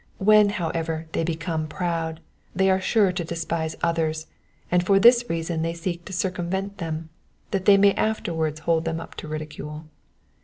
When, however, they become proud, they are sure to despise others ; and for this reason they seek to circumvent them, that they may afterwards hold them up to ridicule.